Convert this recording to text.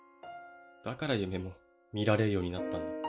だから夢も見られるようになった。